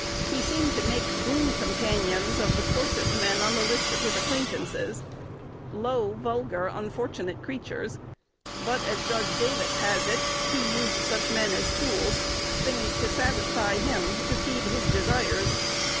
He seemed to make boon companions of the coarsest men on the list of his acquaintances, "low, vulgar, unfortunate creatures;" but, as Judge Davis has it, "he used such men as tools, things to satisfy him, to feed his desires."